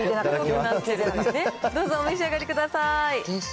どうぞ、お召し上がりくださーい。